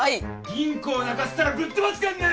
吟子を泣かせたらぶっ飛ばすかんな！